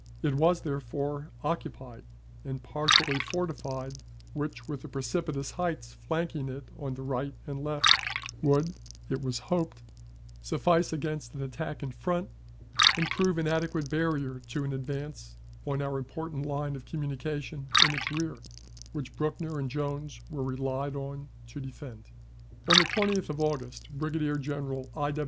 It was, therefore, occupied and partially fortified, which, with the precipitous heights flanking it on the right and left, would, it was hoped, suffice against an attack in front, and prove an adequate barrier to an advance on our important line of communication in its rear, which Buckner and Jones were relied on to defend. On the 20th of August Brigadier General I.